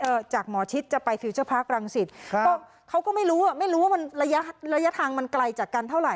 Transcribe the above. เออจากหมอชิตจะไปฟิวเจอร์พาร์กรังสิตเขาก็ไม่รู้อ่ะไม่รู้ว่าระยะทางมันไกลจากกันเท่าไหร่